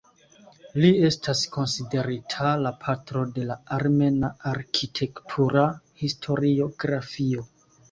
Li estas konsiderita "la patro de la armena arkitektura historiografio.